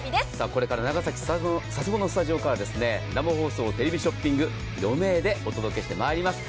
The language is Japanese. これから長崎・佐世保のスタジオから、生放送テレビショッピング、４名でお伝えします。